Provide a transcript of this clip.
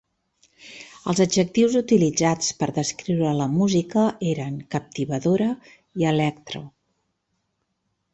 Els adjectius utilitzats per descriure la música eren "captivadora" i "electro".